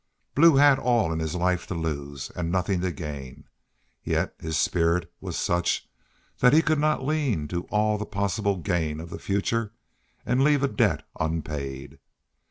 Blue had all in life to lose, and nothing to gain. Yet his spirit was such that he could not lean to all the possible gain of the future, and leave a debt unpaid.